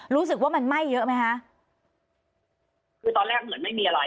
รู้สึกว่ามันไหม้เยอะไหมคะคือตอนแรกเหมือนไม่มีอะไร